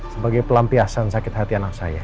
sebagai pelampiasan sakit hati anak saya